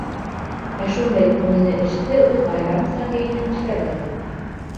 Ә шундай күңелле эште ул байрамса кейенеп эшләргә булды.